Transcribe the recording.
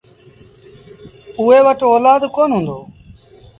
اُئي وٽ اولآد ڪونا هُݩدو۔